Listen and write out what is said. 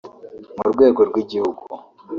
Ku rwego rw’Igihugu